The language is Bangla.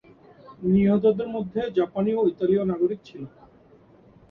নিহতদের মধ্যে জাপানি ও ইতালীয় নাগরিক ছিল।